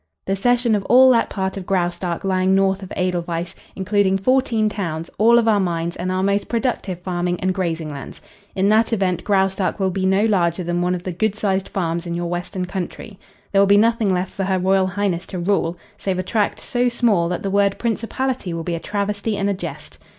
"The cession of all that part of Graustark lying north of Edelweiss, including fourteen towns, all of our mines and our most productive farming and grazing lands. In that event Graustark will be no larger than one of the good sized farms in your western country. There will be nothing left for Her Royal Highness to rule save a tract so small that the word principality will be a travesty and a jest.